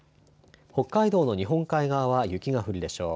北海道の日本海側は雪が降るでしょう。